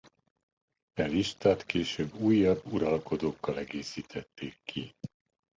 E listát később újabb uralkodókkal egészítették ki.